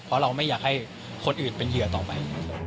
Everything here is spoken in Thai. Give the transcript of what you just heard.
เพราะเราไม่อยากให้คนอื่นเป็นเหยื่อต่อไป